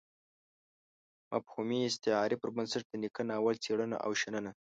مفهومي استعارې پر بنسټ د نيکه ناول څېړنه او شننه.